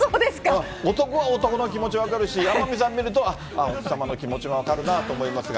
男は男の気持ち分かるし、天海さん見ると、奥様の気持ちも分かるなと思いますが。